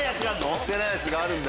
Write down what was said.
押してないやつがあるんだ。